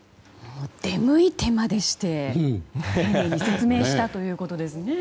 出向いてまでして、丁寧に説明したということですね。